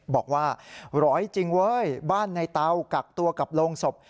บอกว่าร้อยจริงเว้ยบ้านในเตากักตัวกับโรงศพ